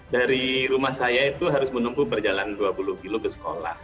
dari rumah saya itu harus menempuh perjalanan dua puluh kilo ke sekolah